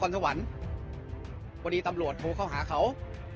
สวรรค์พอดีตำรวจโทรเข้าหาเขา